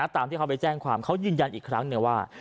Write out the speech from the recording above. ตามที่เขาไปแจ้งความเขายืนยันอีกครั้งหนึ่งว่า